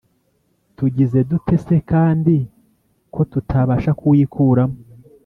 tugize dute se kandi, ko tutabasha kuwikuramo ?